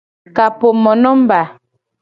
Kapomonomba.